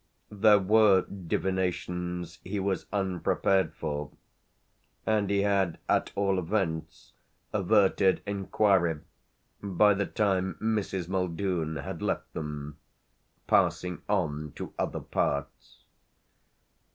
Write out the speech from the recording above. There were divinations he was unprepared for, and he had at all events averted enquiry by the time Mrs. Muldoon had left them, passing on to other parts.